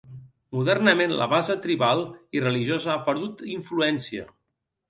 Modernament la base tribal i religiosa ha perdut influència.